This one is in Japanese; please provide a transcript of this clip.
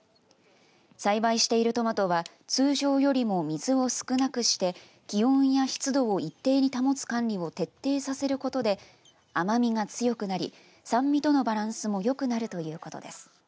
栽培しているトマトは通常よりも水を少なくして気温や湿度を一定に保つ管理を徹底させることで甘みが強くなり酸味とのバランスもよくなるということです。